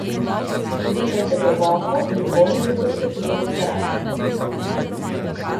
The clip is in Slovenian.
Dihajte globoko in vonjali boste plin v zraku.